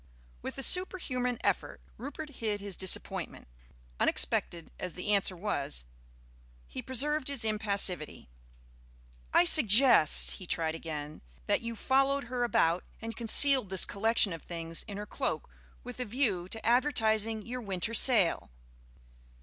With a superhuman effort Rupert hid his disappointment. Unexpected as the answer was, he preserved his impassivity. "I suggest," he tried again, "that you followed her about and concealed this collection of things in her cloak with a view to advertising your winter sale?"